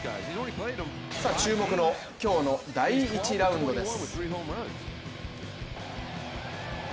注目の今日の第１ラウンドです。